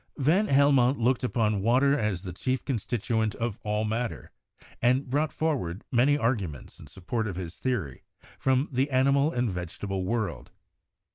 Van Helmont looked upon water as the chief constit uent of all matter, and brought forward many arguments in support of his theory from the animal and vegetable world.